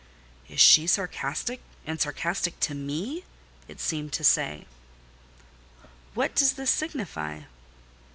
"Is she sarcastic, and sarcastic to me!" it seemed to say. "What does this signify?"